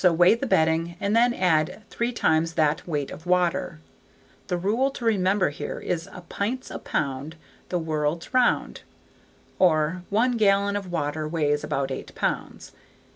So weigh the bedding and then add three times that weight of water. The rule to remember here is "a pint's a pound the world 'round," or one gallon of water weighs about eight pounds.